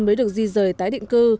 mới được di dời tái định cư